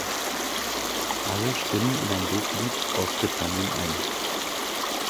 Alle stimmen in ein Loblied auf Britannien ein.